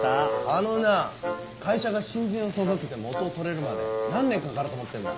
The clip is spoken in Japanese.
あのな会社が新人を育てて元を取れるまで何年かかると思ってんだ。